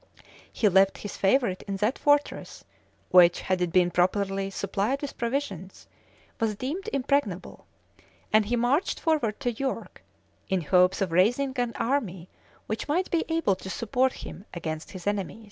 He left his favorite in that fortress, which, had it been properly supplied with provisions, was deemed impregnable, and he marched forward to York, in hopes of raising an army which might be able to support him against his enemies.